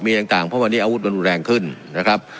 มีต่างต่างเพราะว่าวันนี้อาวุธมันแรงขึ้นนะครับ